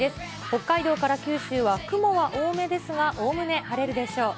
北海道から九州は雲は多めですが、おおむね晴れるでしょう。